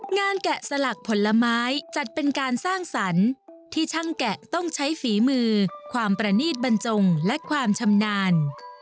แกะสลักผลไม้จัดเป็นการสร้างสรรค์ที่ช่างแกะต้องใช้ฝีมือความประนีตบรรจงและความชำนาญ